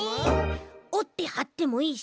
おってはってもいいし。